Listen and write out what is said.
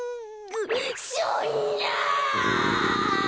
そんな！